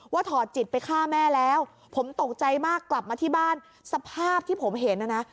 ถอดจิตไปฆ่าแม่แล้วผมตกใจมากกลับมาที่บ้านสภาพที่ผมเห็นนะนะ